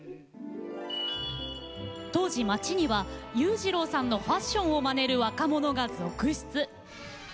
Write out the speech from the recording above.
当時、街には裕次郎さんのファッションをまねる若者が続出。